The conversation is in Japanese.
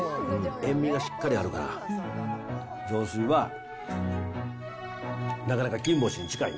塩味がしっかりあるから、雑炊は、なかなか金星に近いね。